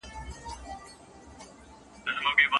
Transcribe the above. هسي نه درڅخه هېر مو بل توپان سي